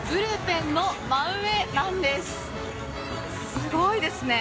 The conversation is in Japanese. すごいですね。